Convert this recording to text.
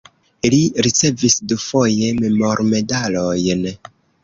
Li ricevis dufoje memormedalojn.